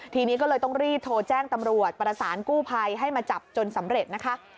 ทีนี้ก็เลยต้องรีบโทรแจ้งตำรวจประสานกู้ภัยให้มาจับจนสำเร็จนะคะ